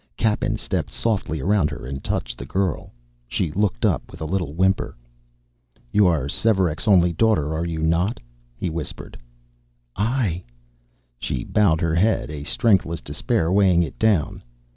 Cappen stepped softly around her and touched the girl. She looked up with a little whimper. "You are Svearek's only daughter, are you not?" he whispered. "Aye " She bowed her head, a strengthless despair weighting it down.